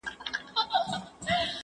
زه هره ورځ د سبا لپاره د ژبي تمرين کوم